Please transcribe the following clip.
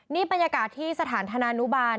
นี่บรรยากาศที่สถานธนานุบาล